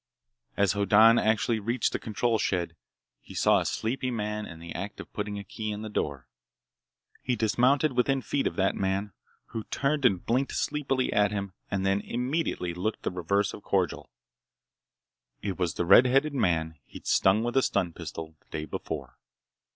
As Hoddan actually reached the control shed, he saw a sleepy man in the act of putting a key in the door. He dismounted within feet of that man, who turned and blinked sleepily at him, and then immediately looked the reverse of cordial. It was the red headed man he'd stung with a stun pistol the day before.